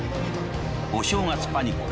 「お正月パニック！